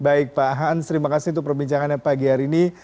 baik pak hans terima kasih untuk perbincangannya pagi hari ini